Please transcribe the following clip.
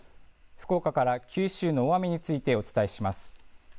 福岡から九州の大雨について、お伝えします。